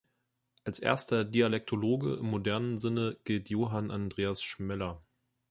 Als erster Dialektologe im modernen Sinne gilt Johann Andreas Schmeller.